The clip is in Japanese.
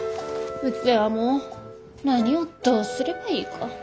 うちはもう何をどうすればいいか。